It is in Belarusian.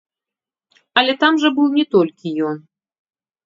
Але там жа быў не толькі ён.